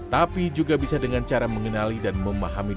tapi juga bisa dengan cara mengenali dan memahami